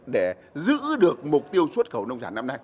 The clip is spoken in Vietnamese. để giữ được mục tiêu xuất khẩu nông sản năm nay